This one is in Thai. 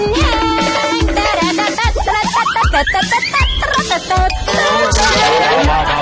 เกาะขามันแห้ง